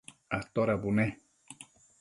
atoda bune?